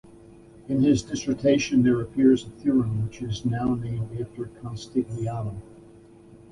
In his dissertation there appears a theorem which is now named after Castigliano.